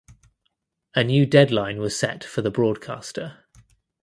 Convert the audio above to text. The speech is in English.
A new deadline was set for the broadcaster.